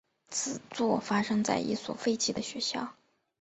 此作发生在一所废弃的学校。